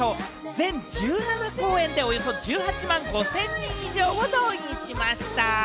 全１７公演でおよそ１８万５０００人以上を動員しました。